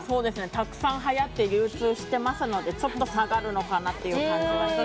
たくさんはやって流通してましたので、ちょっと下がるのかなっていう感じ。